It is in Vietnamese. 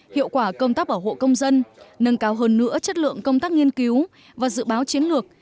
hiệu quả công tác bảo hộ công dân nâng cao hơn nữa chất lượng công tác nghiên cứu và dự báo chiến lược